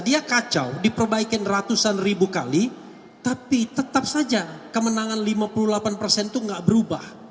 dia kacau diperbaikin ratusan ribu kali tapi tetap saja kemenangan lima puluh delapan persen itu nggak berubah